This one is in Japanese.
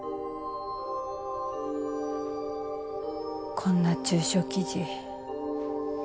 こんな中傷記事。